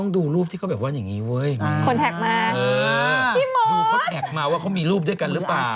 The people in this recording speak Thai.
ดูเขาแกะมาว่าเขามีรูปด้วยกันหรือเปล่า